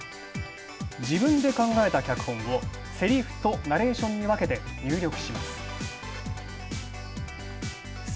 自分で考えた脚本をセリフとナレーションに分けて入力します。